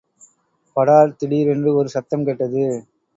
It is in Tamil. படார்! திடீரென்று ஒரு சத்தம் கேட்டது.